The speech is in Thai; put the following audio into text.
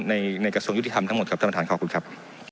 ในกระทรวงยุติธรรมทั้งหมดครับท่านประธานขอบคุณครับ